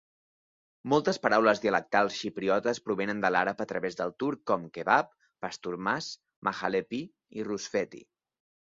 Moltes paraules dialectals xipriotes provenen de l'àrab a través del turc com: "kebab, pastourmas, mahalepi, rusfeti".